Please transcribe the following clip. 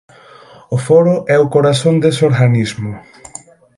O Foro é o corazón dese organismo.